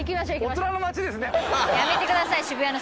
大人の街ですね。